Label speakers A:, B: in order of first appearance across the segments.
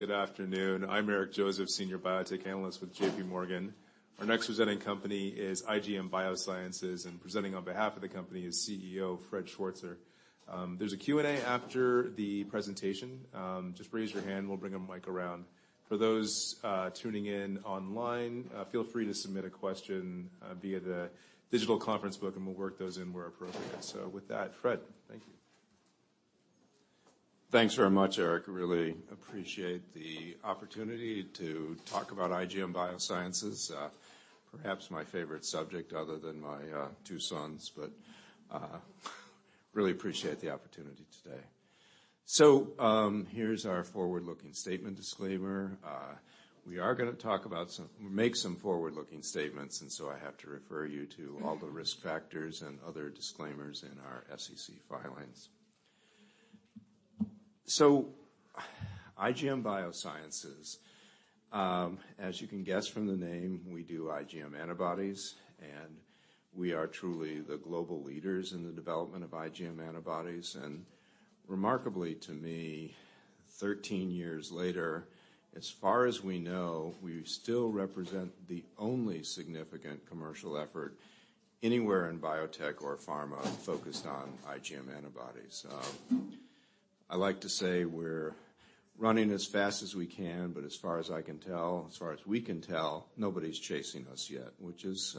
A: Good afternoon. I'm Eric Joseph, Senior Biotech Analyst with J.P. Morgan. Our next presenting company is IGM Biosciences, and presenting on behalf of the company is CEO Fred Schwarzer. There's a Q&A after the presentation. Just raise your hand, and we'll bring a mic around. For those tuning in online, feel free to submit a question via the digital conference book, and we'll work those in where appropriate. With that, Fred. Thank you.
B: Thanks very much, Eric. I really appreciate the opportunity to talk about IGM Biosciences. Perhaps my favorite subject other than my two sons, but really appreciate the opportunity today. Here's our forward-looking statement disclaimer. We are gonna talk about make some forward-looking statements, and so I have to refer you to all the risk factors and other disclaimers in our SEC filings. IGM Biosciences, as you can guess from the name, we do IgM antibodies, and we are truly the global leaders in the development of IgM antibodies. Remarkably to me, 13 years later, as far as we know, we still represent the only significant commercial effort anywhere in biotech or pharma focused on IgM antibodies. I like to say we're running as fast as we can, but as far as I can tell, as far as we can tell, nobody's chasing us yet, which is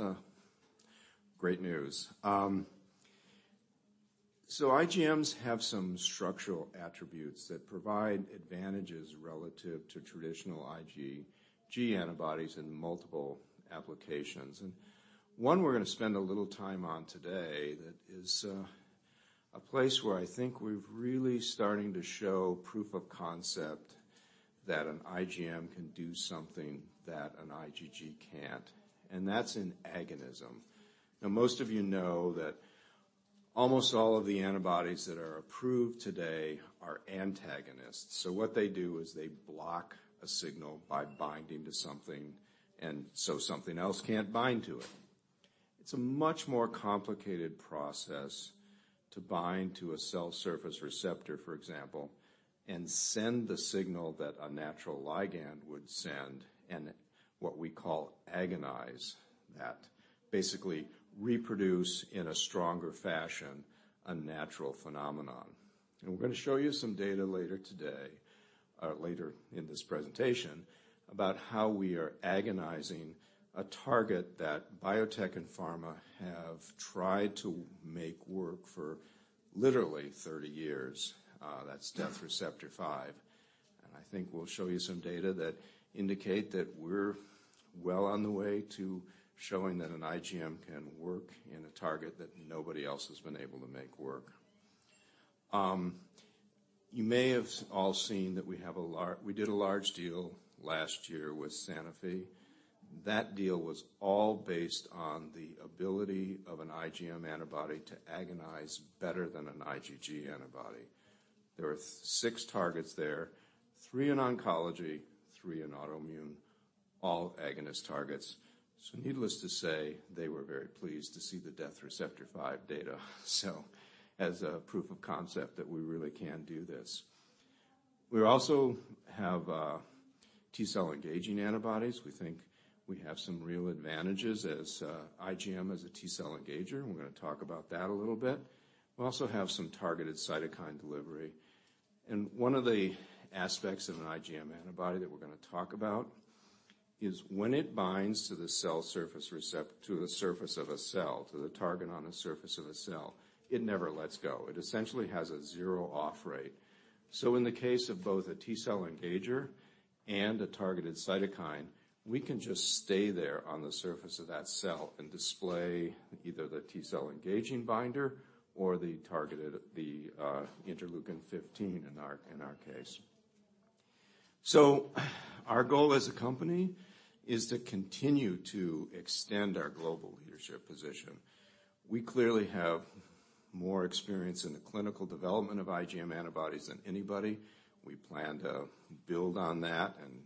B: great news. IGMs have some structural attributes that provide advantages relative to traditional IgG antibodies in multiple applications. One we're gonna spend a little time on today that is a place where I think we're really starting to show proof of concept that an IGM can do something that an IgG can't, and that's in agonism. Most of you know that almost all of the antibodies that are approved today are antagonists. What they do is they block a signal by binding to something, and so something else can't bind to it. It's a much more complicated process to bind to a cell surface receptor, for example, and send the signal that a natural ligand would send, and what we call agonize that. Basically, reproduce in a stronger fashion, a natural phenomenon. We're gonna show you some data later today, later in this presentation, about how we are agonizing a target that biotech and pharma have tried to make work for literally 30 years. That's Death Receptor 5. I think we'll show you some data that indicate that we're well on the way to showing that an IGM can work in a target that nobody else has been able to make work. You may have all seen that we did a large deal last year with Sanofi. That deal was all based on the ability of an IGM antibody to agonize better than an IgG antibody. There are six targets there, three in oncology, three in autoimmune, all agonist targets. Needless to say, they were very pleased to see the Death Receptor 5 data, so as a proof of concept that we really can do this. We also have T-cell engaging antibodies. We think we have some real advantages as IGM as a T-cell engager, and we're gonna talk about that a little bit. We also have some targeted cytokine delivery. One of the aspects of an IGM antibody that we're gonna talk about is when it binds to the cell surface to the surface of a cell, to the target on the surface of a cell, it never lets go. It essentially has a zero off rate. In the case of both a T-cell engager and a targeted cytokine, we can just stay there on the surface of that cell and display either the T-cell engaging binder or the targeted, the Interleukin-15 in our case. Our goal as a company is to continue to extend our global leadership position. We clearly have more experience in the clinical development of IGM antibodies than anybody. We plan to build on that and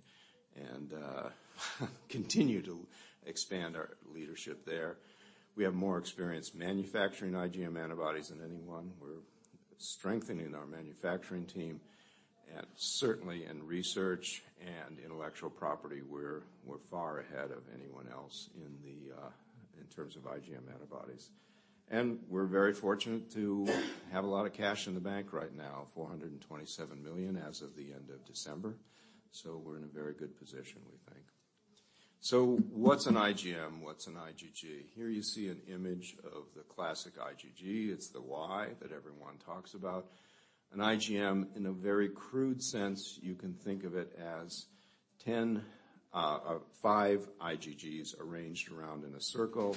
B: continue to expand our leadership there. We have more experience manufacturing IGM antibodies than anyone. We're strengthening our manufacturing team. Certainly, in research and intellectual property, we're far ahead of anyone else in the in terms of IGM antibodies. We're very fortunate to have a lot of cash in the bank right now, $427 million as of the end of December. We're in a very good position, we think. What's an IGM? What's an IgG? Here you see an image of the classic IgG. It's the Y that everyone talks about. An IGM, in a very crude sense, you can think of it as five IgGs arranged around in a circle.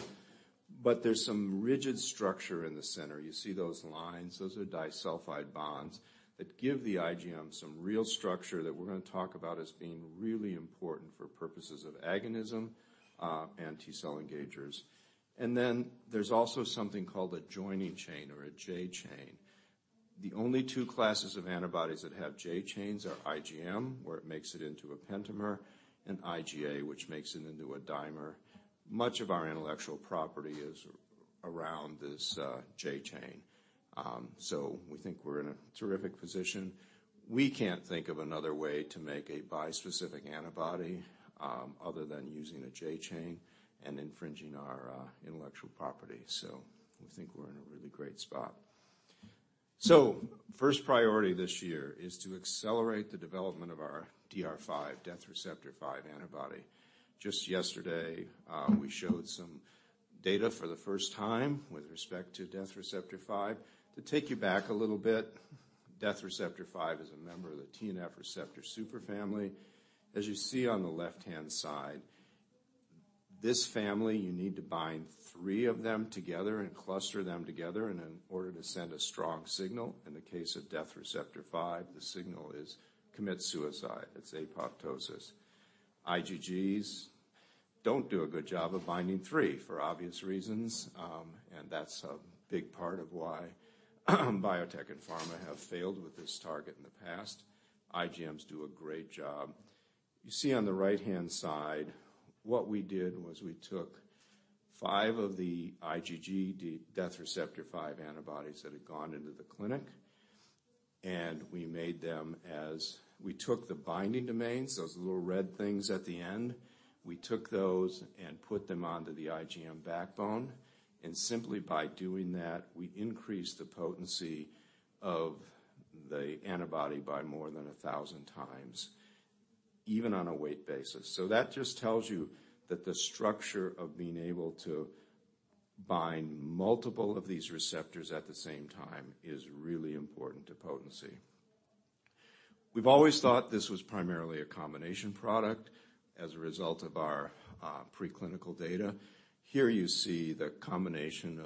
B: There's some rigid structure in the center. You see those lines, those are disulfide bonds that give the IGM some real structure that we're gonna talk about as being really important for purposes of agonism and T-cell engagers. There's also something called a joining chain or a J-chain. The only two classes of antibodies that have J-chains are IGM, where it makes it into a pentamer, and IgA, which makes it into a dimer. Much of our intellectual property is around this J-chain. We think we're in a terrific position. We can't think of another way to make a bispecific antibody, other than using a J-chain and infringing our intellectual property. We think we're in a really great spot. First priority this year is to accelerate the development of our DR5, Death Receptor 5 antibody. Just yesterday, we showed some data for the first time with respect to Death Receptor 5. To take you back a little bit, Death Receptor 5 is a member of the TNF receptor superfamily. As you see on the left-hand side, this family, you need to bind three of them together and cluster them together in order to send a strong signal. In the case of Death Receptor 5, the signal is commit suicide. It's apoptosis. IgGs don't do a good job of binding three for obvious reasons. That's a big part of why biotech and pharma have failed with this target in the past. IgMs do a great job. You see on the right-hand side, what we did was we took 5 of the IgG Death Receptor 5 antibodies that had gone into the clinic, and we took the binding domains, those little red things at the end, we took those and put them onto the IgM backbone, and simply by doing that, we increased the potency of the antibody by more than 1,000 times, even on a weight basis. That just tells you that the structure of being able to bind multiple of these receptors at the same time is really important to potency. We've always thought this was primarily a combination product as a result of our preclinical data. Here you see the combination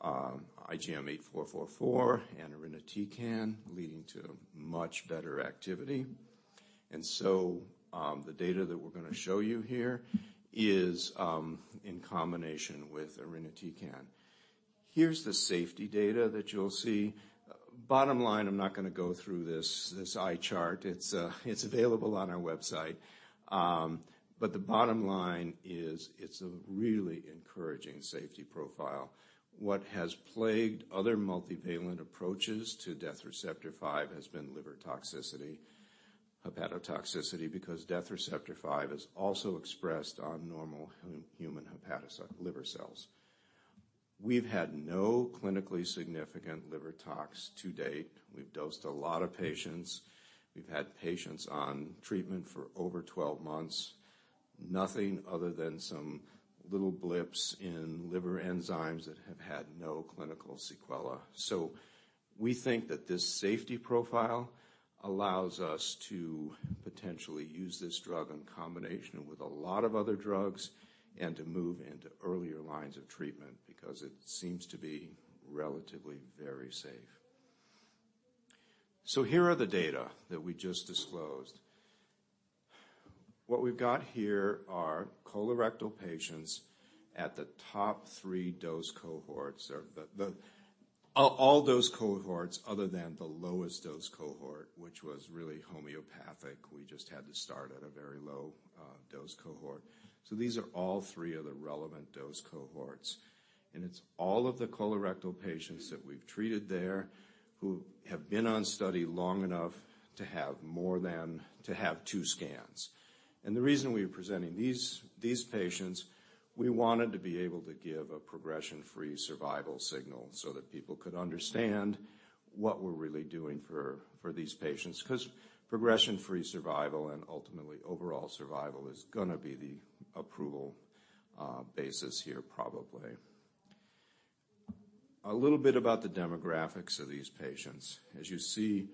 B: of IGM-8444 and irinotecan leading to much better activity. The data that we're gonna show you here is in combination with irinotecan. Here's the safety data that you'll see. Bottom line, I'm not gonna go through this eye chart. It's available on our website. The bottom line is, it's a really encouraging safety profile. What has plagued other multivalent approaches to Death Receptor 5 has been liver toxicity, hepatotoxicity, because Death Receptor 5 is also expressed on normal human liver cells. We've had no clinically significant liver tox to date. We've dosed a lot of patients. We've had patients on treatment for over 12 months. Nothing other than some little blips in liver enzymes that have had no clinical sequela. We think that this safety profile allows us to potentially use this drug in combination with a lot of other drugs and to move into earlier lines of treatment because it seems to be relatively very safe. Here are the data that we just disclosed. What we've got here are colorectal patients at the top three dose cohorts or all dose cohorts other than the lowest dose cohort, which was really homeopathic. We just had to start at a very low dose cohort. These are all three of the relevant dose cohorts, and it's all of the colorectal patients that we've treated there who have been on study long enough to have two scans. The reason we're presenting these patients, we wanted to be able to give a progression-free survival signal so that people could understand what we're really doing for these patients, 'cause progression-free survival and ultimately overall survival is gonna be the approval basis here probably. A little bit about the demographics of these patients. As you see,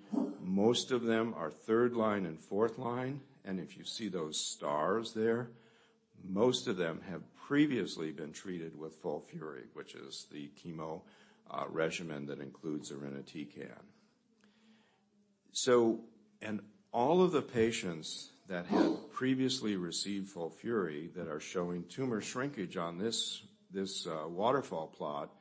B: most of them are third line and fourth line, and if you see those stars there, most of them have previously been treated with FOLFIRI, which is the chemo regimen that includes irinotecan. All of the patients that had previously received FOLFIRI that are showing tumor shrinkage on this waterfall plot,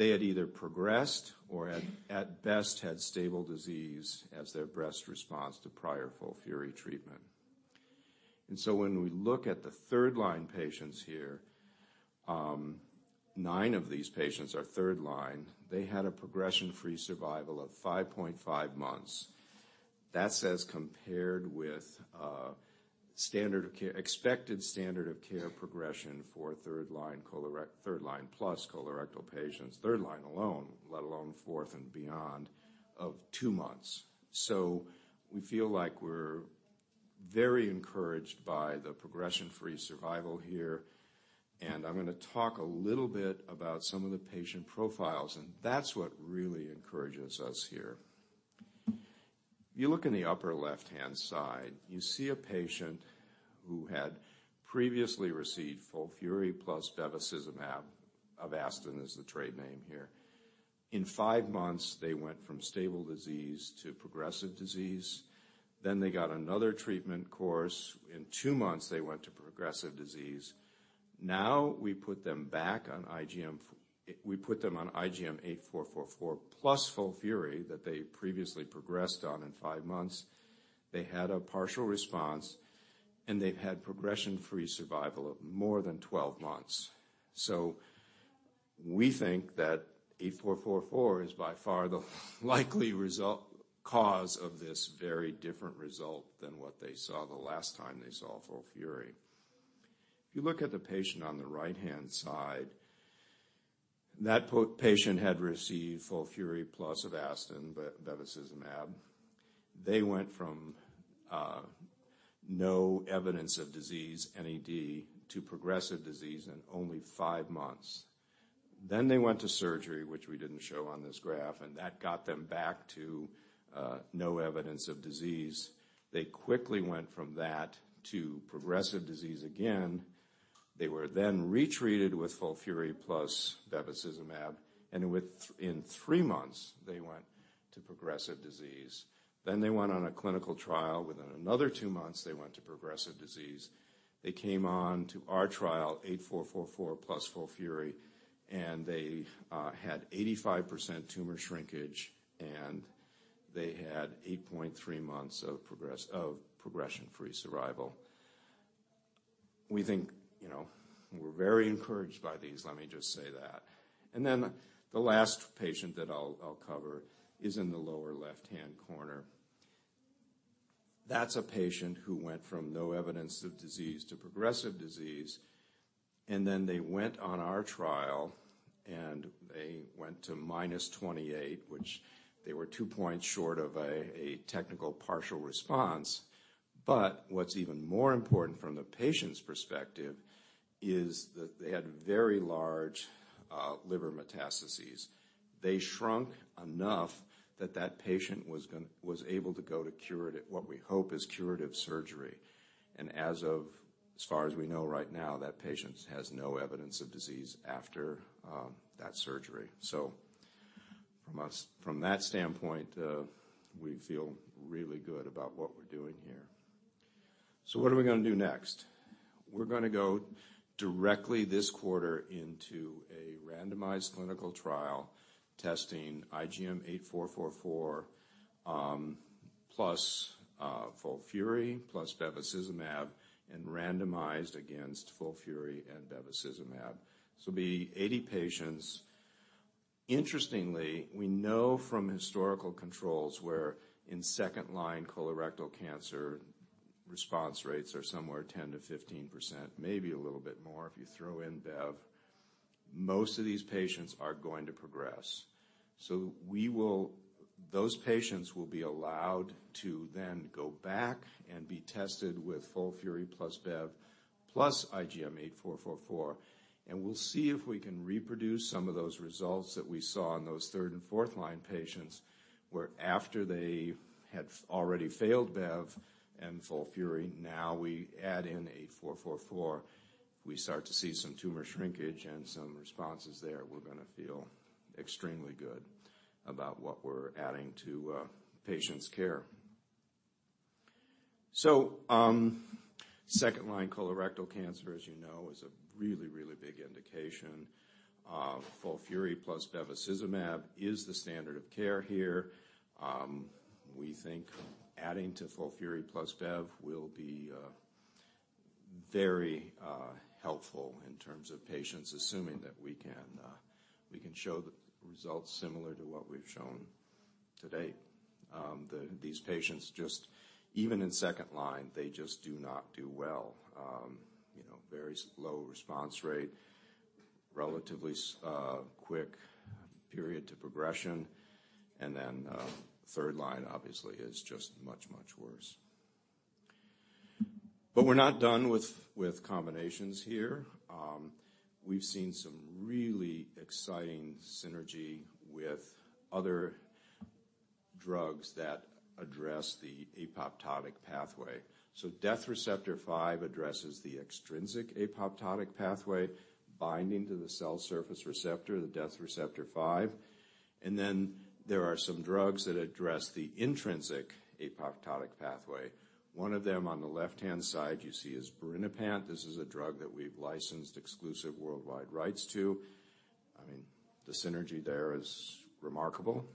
B: they had either progressed or at best had stable disease as their best response to prior FOLFIRI treatment. When we look at the third line patients here, nine of these patients are third line. They had a progression-free survival of 5.5 months. That says compared with expected standard of care progression for third line plus colorectal patients, third line alone, let alone fourth and beyond, of two months. We feel like we're very encouraged by the progression-free survival here. I'm gonna talk a little bit about some of the patient profiles, and that's what really encourages us here. You look in the upper left-hand side, you see a patient who had previously received FOLFIRI plus bevacizumab. Avastin is the trade name here. In five months, they went from stable disease to progressive disease. They got another treatment course. In two months, they went to progressive disease. We put them back on IGM-8444 plus FOLFIRI that they previously progressed on in five months. They had a partial response. They've had progression-free survival of more than 12 months. We think that 8444 is by far the likely result cause of this very different result than what they saw the last time they saw FOLFIRI. If you look at the patient on the right-hand side, that patient had received FOLFIRI plus Avastin, bevacizumab. They went from no evidence of disease, NED, to progressive disease in only five months. They went to surgery, which we didn't show on this graph, that got them back to no evidence of disease. They quickly went from that to progressive disease again. They were retreated with FOLFIRI plus bevacizumab, in 3 months, they went to progressive disease. They went on a clinical trial. Within another 2 months, they went to progressive disease. They came on to our trial, IGM-8444 plus FOLFIRI, and they had 85% tumor shrinkage, and they had 8.3 months of progression-free survival. We think, you know, we're very encouraged by these, let me just say that. The last patient that I'll cover is in the lower left-hand corner. That's a patient who went from no evidence of disease to progressive disease, and then they went on our trial, and they went to -28, which they were 2 points short of a technical partial response. What's even more important from the patient's perspective is that they had very large liver metastases. They shrunk enough that that patient was able to go to curative... what we hope is curative surgery. As of, as far as we know right now, that patient has no evidence of disease after that surgery. From us, from that standpoint, we feel really good about what we're doing here. What are we gonna do next? We're gonna go directly this quarter into a randomized clinical trial testing IGM-8444 plus FOLFIRI, plus bevacizumab, and randomized against FOLFIRI and bevacizumab. This will be 80 patients. Interestingly, we know from historical controls where in second-line colorectal cancer response rates are somewhere 10%-15%, maybe a little bit more if you throw in Bev. Most of these patients are going to progress. Those patients will be allowed to then go back and be tested with FOLFIRI plus Bev plus IGM-8444, and we'll see if we can reproduce some of those results that we saw in those third and fourth line patients, where after they had already failed Bev and FOLFIRI, now we add in 8444. If we start to see some tumor shrinkage and some responses there, we're gonna feel extremely good about what we're adding to a patient's care. Second-line colorectal cancer, as you know, is a really, really big indication. FOLFIRI plus bevacizumab is the standard of care here. We think adding to FOLFIRI plus Bev will be very helpful in terms of patients, assuming that we can show the results similar to what we've shown to date. These patients just, even in second line, they just do not do well. You know, very slow response rate, relatively quick period to progression, and then third line obviously is just much, much worse. We're not done with combinations here. We've seen some really exciting synergy with other drugs that address the apoptotic pathway. Death Receptor 5 addresses the extrinsic apoptotic pathway binding to the cell surface receptor, the Death Receptor 5. There are some drugs that address the intrinsic apoptotic pathway. One of them on the left-hand side you see is birinapant. This is a drug that we've licensed exclusive worldwide rights to. I mean, the synergy there is remarkable.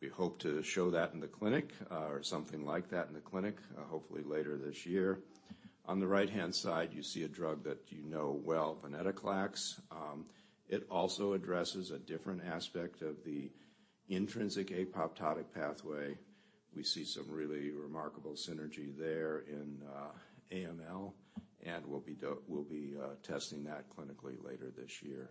B: We hope to show that in the clinic, or something like that in the clinic, hopefully later this year. On the right-hand side, you see a drug that you know well, Venetoclax. It also addresses a different aspect of the intrinsic apoptotic pathway. We see some really remarkable synergy there in AML, and we'll be testing that clinically later this year.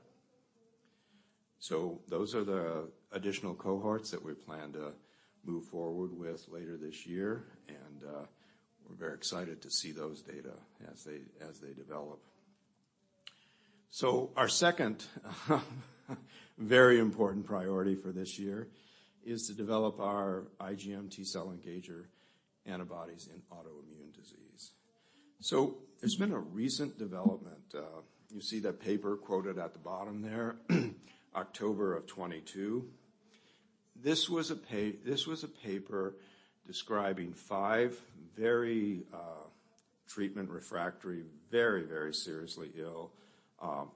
B: Those are the additional cohorts that we plan to move forward with later this year, and we're very excited to see those data as they develop. Our second very important priority for this year is to develop our IGM T-cell engager antibodies in autoimmune disease. There's been a recent development. You see that paper quoted at the bottom there, October of 2022. This was a paper describing five very treatment refractory, very, very seriously ill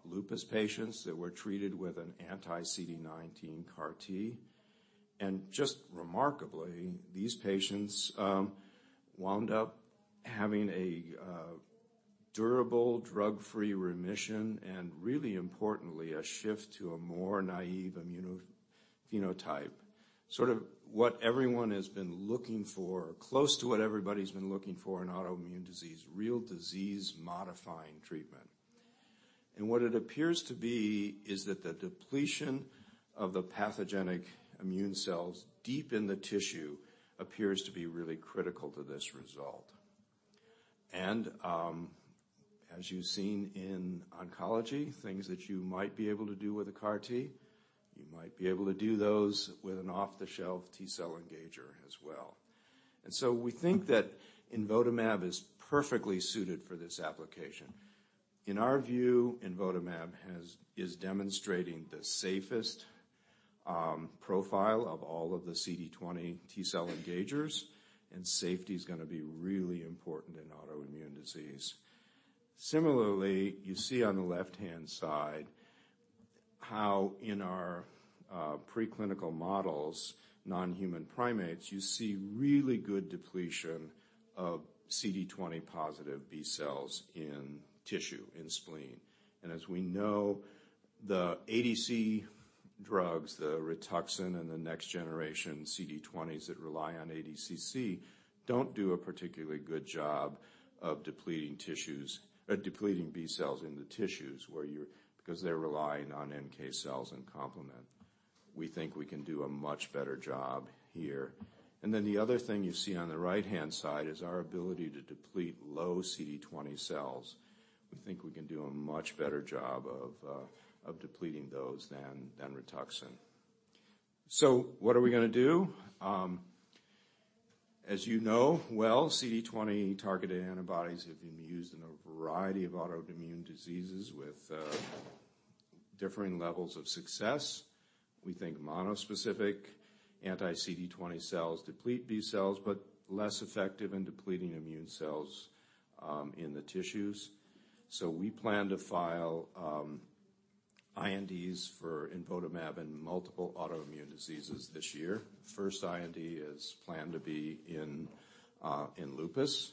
B: lupus patients that were treated with an anti-CD19 CAR T. Just remarkably, these patients wound up having a durable drug-free remission and really importantly, a shift to a more naive immunophenotype. Sort of what everyone has been looking for, close to what everybody's been looking for in autoimmune disease, real disease-modifying treatment. What it appears to be is that the depletion of the pathogenic immune cells deep in the tissue appears to be really critical to this result. As you've seen in oncology, things that you might be able to do with a CAR T, you might be able to do those with an off-the-shelf T-cell engager as well. We think that imvotamab is perfectly suited for this application. In our view, imvotamab is demonstrating the safest profile of all of the CD20 T-cell engagers, and safety is gonna be really important in autoimmune disease. Similarly, you see on the left-hand side how in our preclinical models, non-human primates, you see really good depletion of CD20 positive B cells in tissue, in spleen. As we know, the ADC drugs, the Rituxan and the next generation CD20s that rely on ADCC, don't do a particularly good job of depleting B cells in the tissues because they're relying on NK cells and complement. We think we can do a much better job here. The other thing you see on the right-hand side is our ability to deplete low CD20 cells. We think we can do a much better job of depleting those than Rituxan. What are we gonna do? As you know well, CD20-targeted antibodies have been used in a variety of autoimmune diseases with differing levels of success. We think monospecific anti-CD20 cells deplete B cells, but less effective in depleting immune cells in the tissues. We plan to file INDs for imvotamab in multiple autoimmune diseases this year. First IND is planned to be in lupus.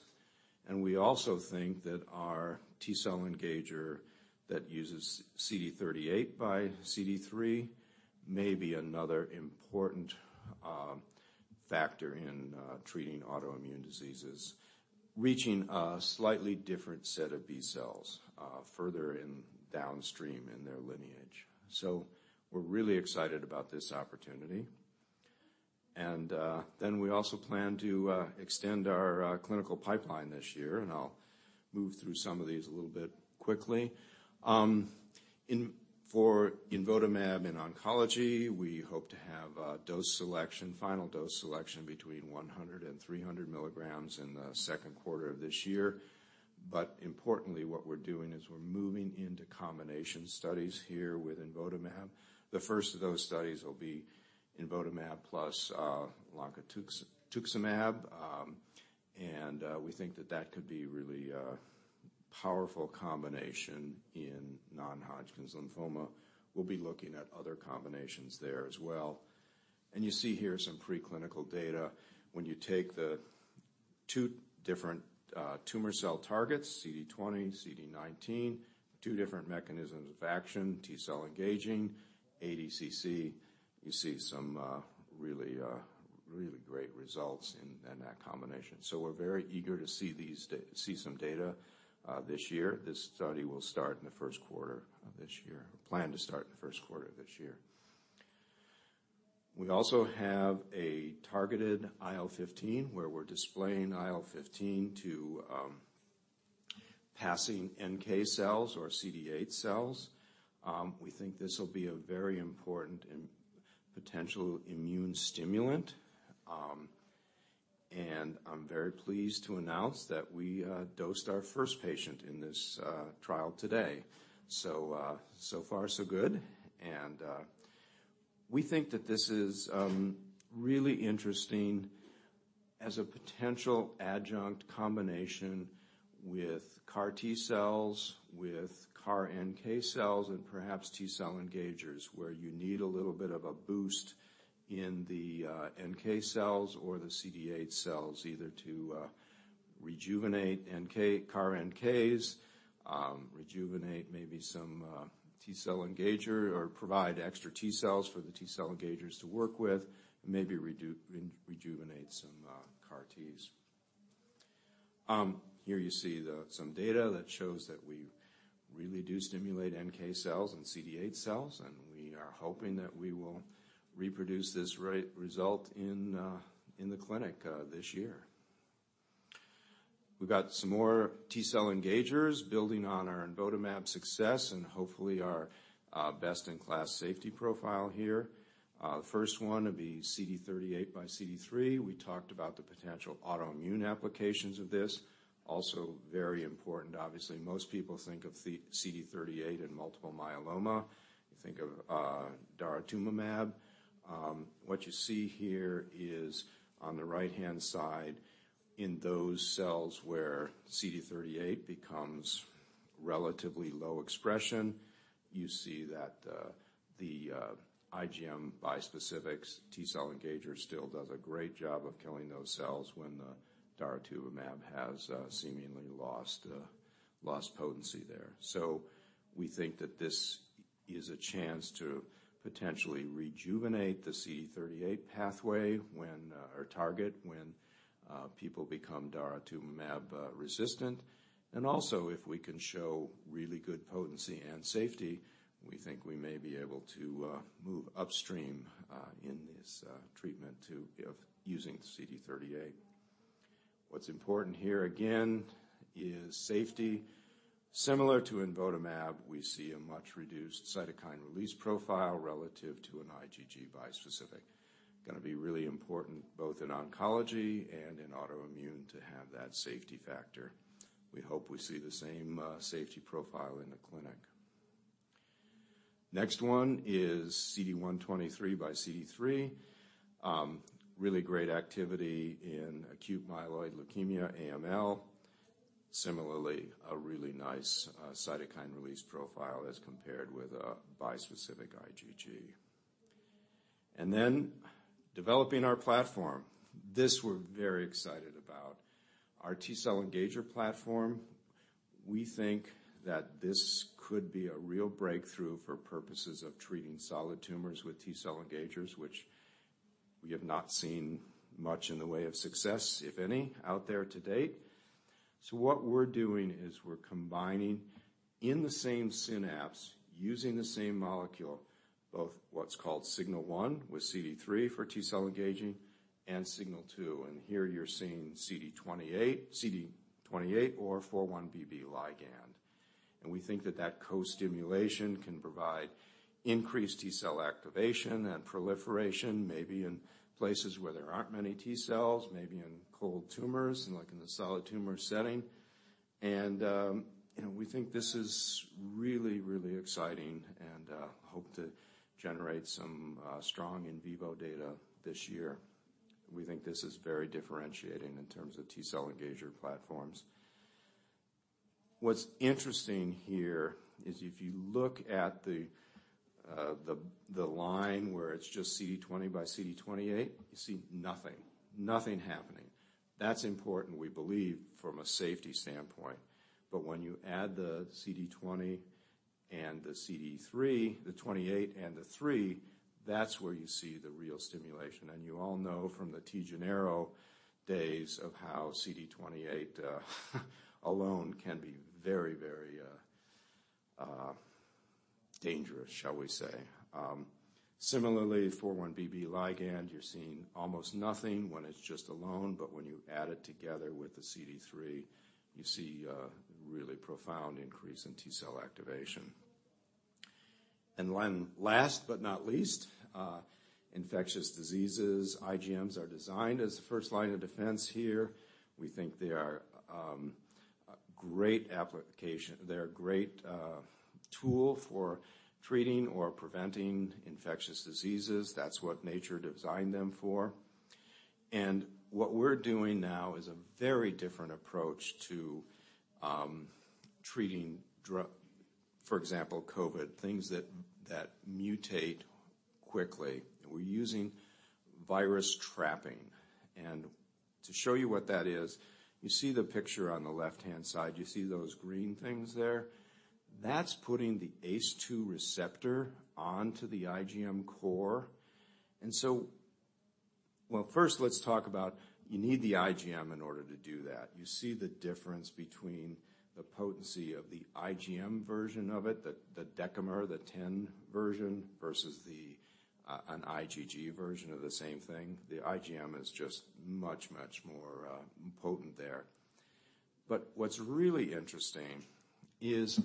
B: We also think that our T-cell engager that uses CD38 by CD3 may be another important factor in treating autoimmune diseases, reaching a slightly different set of B cells further in downstream in their lineage. We're really excited about this opportunity. Then we also plan to extend our clinical pipeline this year, and I'll move through some of these a little bit quickly. For imvotamab in oncology, we hope to have a dose selection, final dose selection between 100 and 300 milligrams in the second quarter of this year. Importantly, what we're doing is we're moving into combination studies here with imvotamab. The first of those studies will be imvotamab plus loncastuximab tesirine. We think that that could be really a powerful combination in non-Hodgkin's lymphoma. We'll be looking at other combinations there as well. You see here some preclinical data. When you take the two different tumor cell targets, CD20, CD19, two different mechanisms of action, T-cell engaging, ADCC, you see some really great results in that combination. We're very eager to see some data this year. This study will start in the first quarter of this year. Plan to start in the first quarter of this year. We also have a targeted IL-15, where we're displaying IL-15 to passing NK cells or CD8 cells. We think this will be a very important and potential immune stimulant. I'm very pleased to announce that we dosed our first patient in this trial today. So far so good. We think that this is really interesting as a potential adjunct combination with CAR T cells, with CAR NK cells, and perhaps T-cell engagers, where you need a little bit of a boost in the NK cells or the CD8 cells, either to rejuvenate. CAR NKs rejuvenate maybe some T-cell engager or provide extra T-cells for the T-cell engagers to work with, maybe rejuvenate some CAR Ts. Here you see some data that shows that we really do stimulate NK cells and CD8 cells. We are hoping that we will reproduce this result in the clinic this year. We've got some more T-cell engagers building on our imvotamab success and hopefully our best-in-class safety profile here. The first one will be CD38 by CD3. We talked about the potential autoimmune applications of this. Also very important, obviously, most people think of the CD38 in multiple myeloma. You think of daratumumab. What you see here is on the right-hand side in those cells where CD38 becomes relatively low expression. You see that the IGM bispecifics T-cell engager still does a great job of killing those cells when the daratumumab has seemingly lost potency there. We think that this is a chance to potentially rejuvenate the CD38 pathway when or target, when people become daratumumab resistant. If we can show really good potency and safety, we think we may be able to move upstream in this treatment of using CD38. What's important here again is safety. Similar to imvotamab, we see a much-reduced cytokine release profile relative to an IgG bispecific. Gonna be really important, both in oncology and in autoimmune, to have that safety factor. We hope we see the same safety profile in the clinic. Next one is CD123 by CD3. Really great activity in acute myeloid leukemia, AML. Similarly, a really nice cytokine release profile as compared with a bispecific IgG. Developing our platform, this we're very excited about. Our T-cell engager platform, we think that this could be a real breakthrough for purposes of treating solid tumors with T-cell engagers, which we have not seen much in the way of success, if any, out there to date. What we're doing is we're combining in the same synapse, using the same molecule, both what's called signal one with CD3 for T-cell engaging and signal two, and here you're seeing CD28 or 4-1BB ligand. We think that that co-stimulation can provide increased T-cell activation and proliferation, maybe in places where there aren't many T-cells, maybe in cold tumors and like in the solid tumor setting. You know, we think this is really, really exciting and hope to generate some strong in vivo data this year. We think this is very differentiating in terms of T-cell engager platforms. What's interesting here is if you look at the, the line where it's just CD20 by CD28, you see nothing. Nothing happening. That's important, we believe, from a safety standpoint. When you add the CD20 and the CD3, the 28 and the 3, that's where you see the real stimulation. You all know from the TeGenero days of how CD28 alone can be very, very dangerous, shall we say. Similarly, 4-1BB ligand, you're seeing almost nothing when it's just alone, but when you add it together with the CD3, you see a really profound increase in T-cell activation. Last but not least, infectious diseases. IGMs are designed as the first line of defense here. We think they are a great application. They're a great tool for treating or preventing infectious diseases. That's what nature designed them for. What we're doing now is a very different approach to treating, for example, COVID, things that mutate quickly. We're using virus trapping. To show you what that is, you see the picture on the left-hand side. You see those green things there? That's putting the ACE2 receptor onto the IGM core. First let's talk about you need the IGM in order to do that. You see the difference between the potency of the IGM version of it, the decamer, the 10 version, versus an IgG version of the same thing. The IGM is just much, much more potent there. What's really interesting is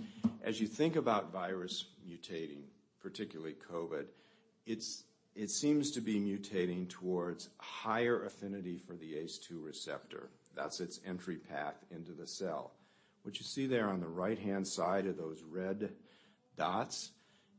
B: as you think about virus mutating, particularly COVID, it seems to be mutating towards higher affinity for the ACE2 receptor. That's its entry path into the cell. What you see there on the right-hand side are those red dots,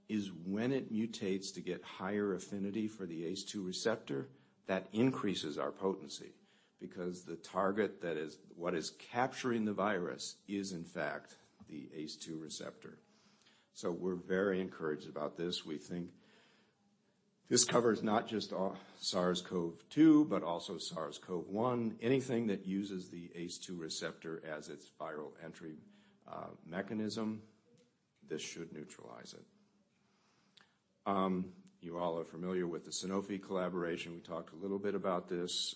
B: is when it mutates to get higher affinity for the ACE2 receptor, that increases our potency because the target that is capturing the virus is in fact the ACE2 receptor. We're very encouraged about this. We think this covers not just SARS-CoV-2, but also SARS-CoV-1. Anything that uses the ACE2 receptor as its viral entry mechanism, this should neutralize it. You all are familiar with the Sanofi collaboration. We talked a little bit about this.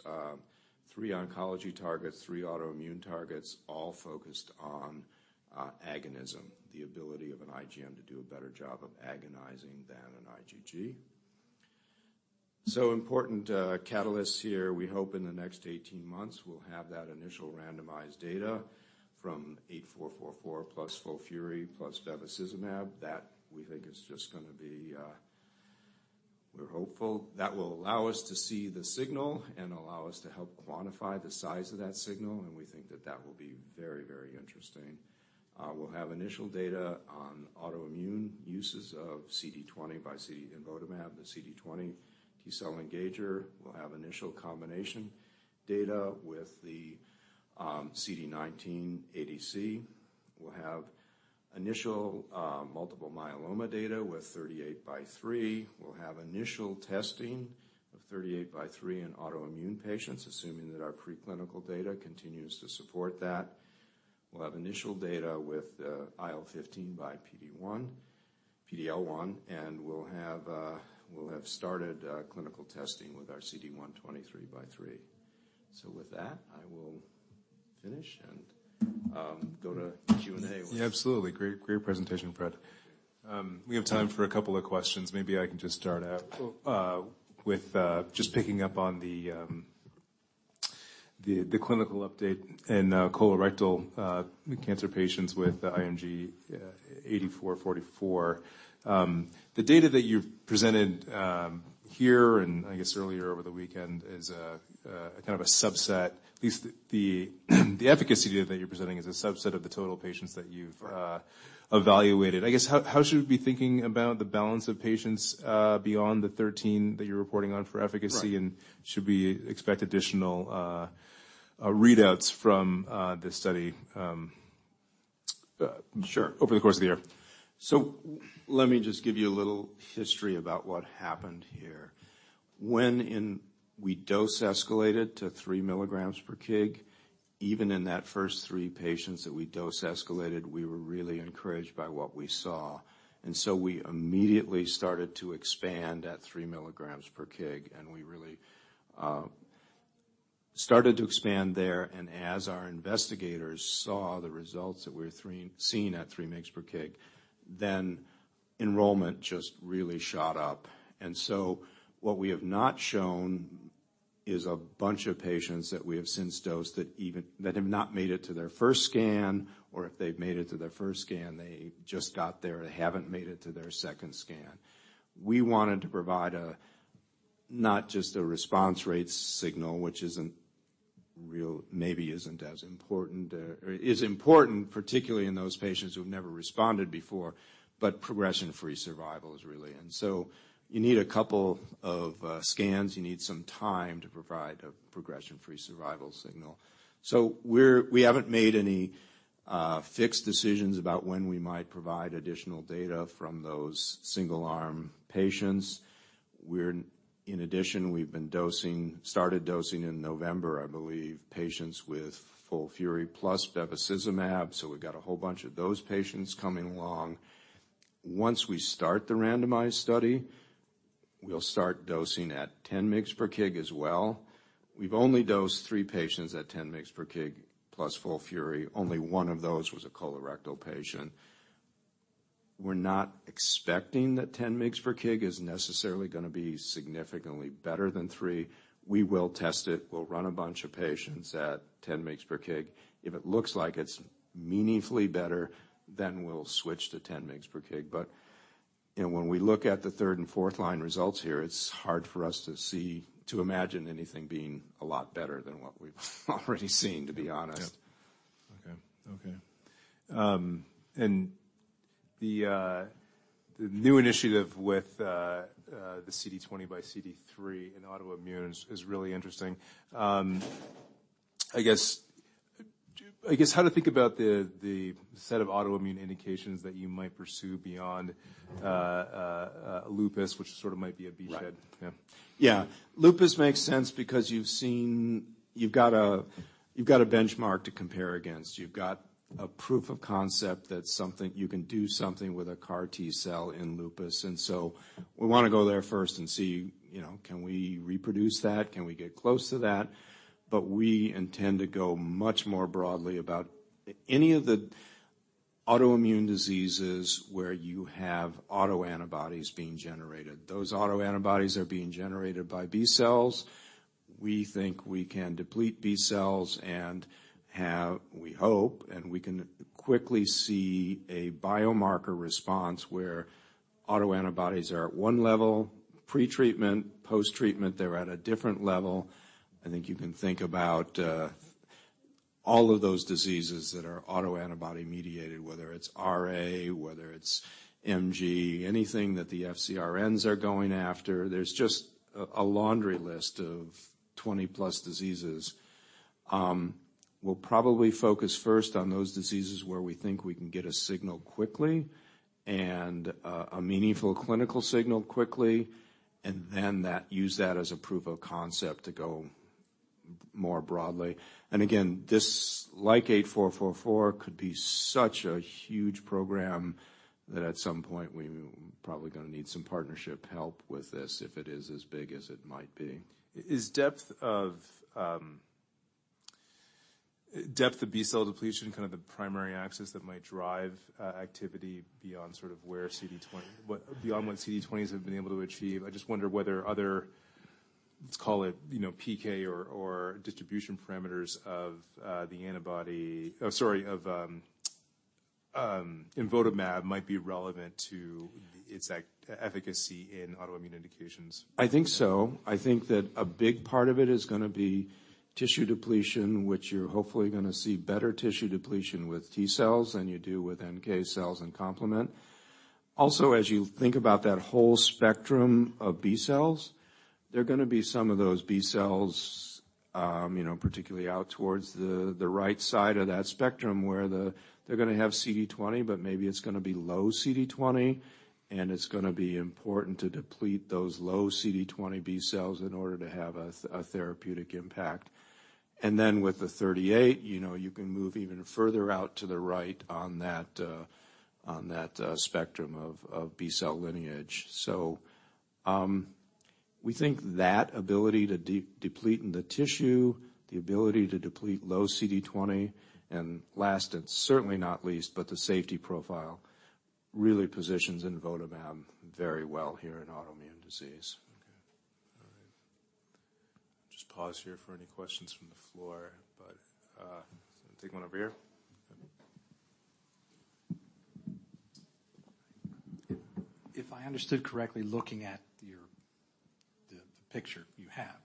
B: 3 oncology targets, 3 autoimmune targets, all focused on agonism, the ability of an IGM to do a better job of agonizing than an IgG. Important catalysts here. We hope in the next 18 months we'll have that initial randomized data from IGM-8444 plus FOLFIRI plus bevacizumab. That we think is just gonna be. We're hopeful. That will allow us to see the signal and allow us to help quantify the size of that signal, and we think that that will be very, very interesting. We'll have initial data on autoimmune uses of CD20 by imvotamab, the CD20 T-cell engager. We'll have initial combination data with CD19 ADC will have initial multiple myeloma data with CD38xCD3, will have initial testing of CD38xCD3 in autoimmune patients, assuming that our preclinical data continues to support that. We'll have initial data with IL-15 by PD-1, PD-L1, and we'll have started clinical testing with our CD123 by three. With that, I will finish and go to Q&A with.
A: Yeah, absolutely. Great, great presentation, Fred. We have time for a couple of questions. Maybe I can just start out with just picking up on the clinical update in colorectal cancer patients with IGM-8444. The data that you've presented here and I guess earlier over the weekend is a kind of a subset. At least the efficacy data that you're presenting is a subset of the total patients that you've-
B: Right...
A: evaluated. I guess, how should we be thinking about the balance of patients beyond the 13 that you're reporting on for efficacy?
B: Right
A: Should we expect additional readouts from the study?
B: Sure...
A: over the course of the year?
B: Let me just give you a little history about what happened here. When we dose escalated to 3 milligrams per kg, even in that first 3 patients that we dose escalated, we were really encouraged by what we saw. We immediately started to expand at 3 milligrams per kg, and we really started to expand there and as our investigators saw the results that we're seeing at 3 mgs per kg, then enrollment just really shot up. What we have not shown is a bunch of patients that we have since dosed that have not made it to their first scan, or if they've made it to their first scan, they just got there, they haven't made it to their second scan. We wanted to provide a, not just a response rate signal, which maybe isn't as important, or is important, particularly in those patients who've never responded before, progression-free survival is really. You need a couple of scans, you need some time to provide a progression-free survival signal. We haven't made any fixed decisions about when we might provide additional data from those single-arm patients. In addition, we started dosing in November, I believe, patients with FOLFIRI plus bevacizumab, we've got a whole bunch of those patients coming along. Once we start the randomized study, we'll start dosing at 10 mg per kg as well. We've only dosed 3 patients at 10 mg per kg plus FOLFIRI. Only 1 of those was a colorectal patient. We're not expecting that 10 mgs per kg is necessarily gonna be significantly better than 3. We will test it. We'll run a bunch of patients at 10 mgs per kg. If it looks like it's meaningfully better, we'll switch to 10 mgs per kg. You know, when we look at the third and fourth line results here, it's hard for us to imagine anything being a lot better than what we've already seen, to be honest.
A: Yeah. Okay. Okay. The new initiative with the CD20 by CD3 in autoimmune is really interesting. I guess, how to think about the set of autoimmune indications that you might pursue beyond lupus, which sort of might be a beachhead.
B: Right.
A: Yeah.
B: Yeah. Lupus makes sense because you've seen. You've got a benchmark to compare against. You've got a proof of concept that you can do something with a CAR T-cell in lupus. We wanna go there first and see, you know, can we reproduce that? Can we get close to that? We intend to go much more broadly about any of the autoimmune diseases where you have autoantibodies being generated. Those autoantibodies are being generated by B-cells. We think we can deplete B-cells and have, we hope, and we can quickly see a biomarker response where autoantibodies are at one level, pre-treatment, post-treatment, they're at a different level. I think you can think about all of those diseases that are autoantibody mediated, whether it's RA, whether it's MG, anything that the FcRns are going after. There's just a laundry list of 20-plus diseases. We'll probably focus first on those diseases where we think we can get a signal quickly and a meaningful clinical signal quickly, then use that as a proof of concept to go more broadly. Again, this, like IGM-8444, could be such a huge program that at some point we probably gonna need some partnership help with this if it is as big as it might be.
A: Is depth of B-cell depletion kind of the primary axis that might drive activity beyond what CD20s have been able to achieve? I just wonder whether other, let's call it, you know, PK or distribution parameters of the antibody, sorry, of imvotamab might be relevant to its efficacy in autoimmune indications.
B: I think so. I think that a big part of it is gonna be tissue depletion, which you're hopefully gonna see better tissue depletion with T-cells than you do with NK cells and complement. As you think about that whole spectrum of B cells, there are gonna be some of those B cells, you know, particularly out towards the right side of that spectrum where they're gonna have CD20, but maybe it's gonna be low CD20, and it's gonna be important to deplete those low CD20 B cells in order to have a therapeutic impact. With the 38, you know, you can move even further out to the right on that spectrum of B cell lineage. We think that ability to deplete in the tissue, the ability to deplete low CD20, and last and certainly not least, but the safety profile really positions imvotamab very well here in autoimmune disease.
A: Okay. All right. Just pause here for any questions from the floor. I'll take one over here.
C: If I understood correctly, looking at your the picture you have,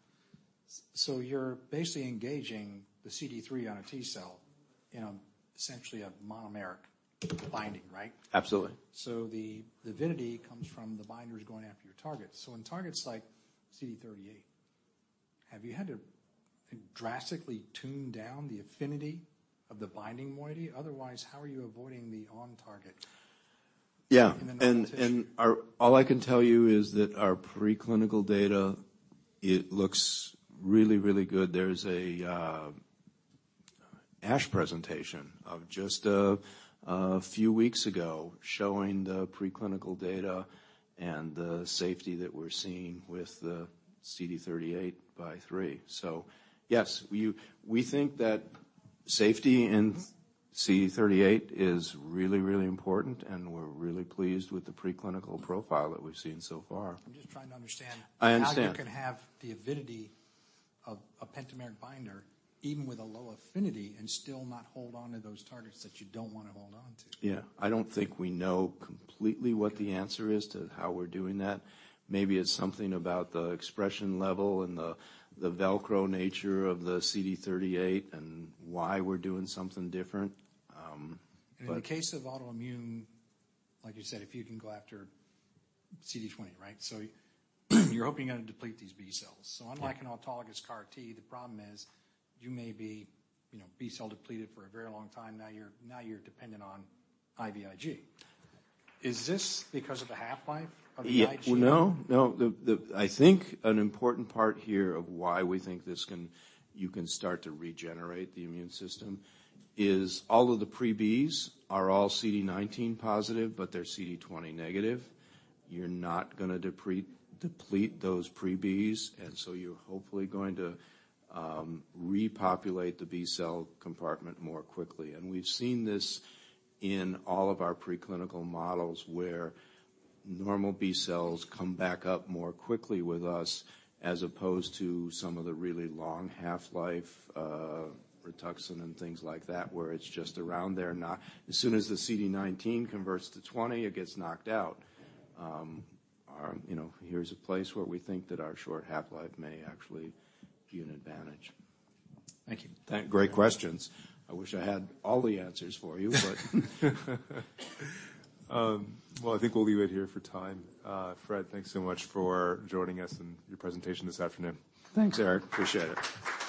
C: you're basically engaging the CD3 on a T cell in a essentially a monomeric binding, right?
B: Absolutely.
C: The avidity comes from the binders going after your target. In targets like CD38, have you had to drastically tune down the affinity of the binding moiety? Otherwise, how are you avoiding the on target?
B: All I can tell you is that our preclinical data, it looks really, really good. There's a ASH presentation of just a few weeks ago showing the preclinical data and the safety that we're seeing with the CD38xCD3. Yes, we think that safety in CD38 is really, really important, and we're really pleased with the preclinical profile that we've seen so far.
C: I'm just trying to understand.
B: I understand.
C: how you can have the avidity of a pentameric binder even with a low affinity and still not hold on to those targets that you don't wanna hold on to.
B: Yeah. I don't think we know completely what the answer is to how we're doing that. Maybe it's something about the expression level and the Velcro nature of the CD38 and why we're doing something different.
C: In the case of autoimmune, like you said, if you can go after CD20, right? You're hoping it'll deplete these B cells.
B: Yeah.
C: Unlike an autologous CAR T, the problem is you may be, you know, B cell depleted for a very long time. Now you're dependent on IVIG. Is this because of the half-life of the IG?
B: Well, no. No. I think an important part here of why we think this can start to regenerate the immune system is all of the pre-Bs are all CD19 positive, but they're CD20 negative. You're not gonna deplete those pre-Bs, so you're hopefully going to repopulate the B cell compartment more quickly. We've seen this in all of our preclinical models where normal B cells come back up more quickly with us as opposed to some of the really long half-life, Rituxan and things like that, where it's just around there. As soon as the CD19 converts to 20, it gets knocked out. Our, you know, here's a place where we think that our short half-life may actually be an advantage.
C: Thank you.
B: Great questions. I wish I had all the answers for you.
A: Well, I think we'll leave it here for time. Fred, thanks so much for joining us and your presentation this afternoon.
B: Thanks, Eric. Appreciate it.